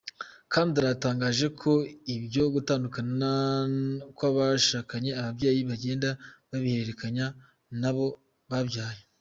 Kendler yatangaje ko ibyo gutandukana kw’abashakanye ababyeyi bagenda babihererekanya n’abo babyaye.